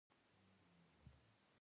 بریسټو په ستونزو ښه خبر وو.